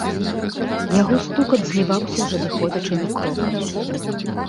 Яго стукат зліваўся з адыходзячымі крокамі.